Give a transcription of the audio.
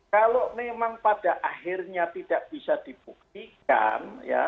kalau memang pada akhirnya tidak bisa dibuktikan